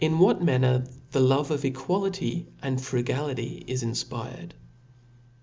h what manner the Love af Equality and Fru^ gaJity is injpired.